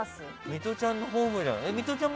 ミトちゃんのホームじゃん。